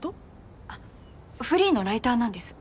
あっフリーのライターなんです。